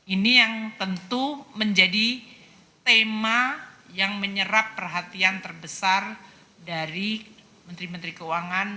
ini yang tentu menjadi tema yang menyerap perhatian terbesar dari menteri menteri keuangan